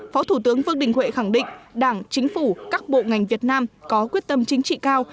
phó thủ tướng vương đình huệ khẳng định đảng chính phủ các bộ ngành việt nam có quyết tâm chính trị cao